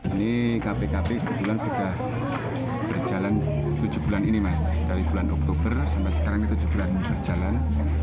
ini kpkp kebetulan sudah berjalan tujuh bulan ini mas dari bulan oktober sampai sekarang itu tujuh bulan berjalan